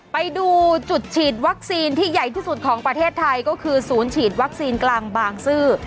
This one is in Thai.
ไปดูจุดฉีดวัคซีนที่ใหญ่ที่สุดของประเทศไทยก็คือศูนย์ฉีดวัคซีนกลางบางซื่อ